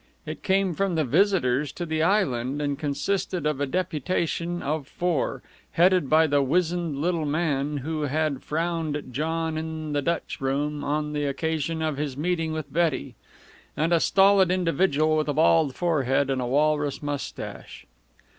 It came from the visitors to the island, and consisted of a deputation of four, headed by the wizened little man, who had frowned at John in the Dutch room on the occasion of his meeting with Betty, and a stolid individual with a bald forehead and a walrus mustache.